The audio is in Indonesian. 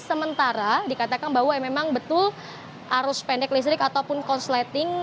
sementara dikatakan bahwa memang betul arus pendek listrik ataupun konsleting